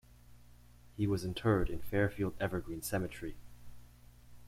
He was interred in Fairfield-Evergreen Cemetery.